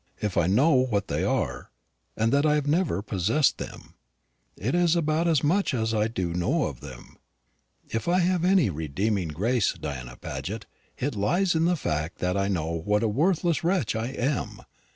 If I know what they are, and that I have never possessed them, it is about as much as I do know of them. If I have any redeeming grace, Diana Paget, it lies in the fact that I know what a worthless wretch I am.